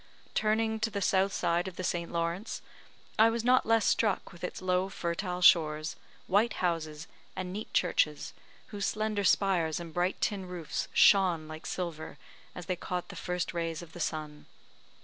Turning to the south side of the St. Lawrence, I was not less struck with its low fertile shores, white houses, and neat churches, whose slender spires and bright tin roofs shone like silver as they caught the first rays of the sun.